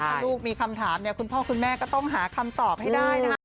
ถ้าลูกมีคำถามเนี่ยคุณพ่อคุณแม่ก็ต้องหาคำตอบให้ได้นะคะ